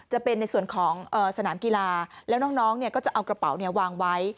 จะเป็นในส่วนของเอ่อสนามกีฬาแล้วน้องน้องเนี้ยก็จะเอากระเป๋าเนี้ยวางไว้